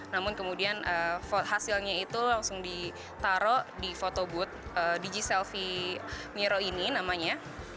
namun kemudian hasilnya itu langsung ditaruh di photo booth biji selfie miro ini namanya